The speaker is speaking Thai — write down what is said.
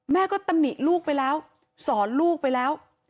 แม่ก็ตำหนิลูกไปแล้วสอนลูกไปแล้ว